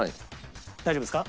大丈夫ですか？